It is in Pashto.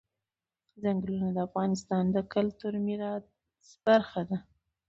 چنګلونه د افغانستان د کلتوري میراث برخه ده.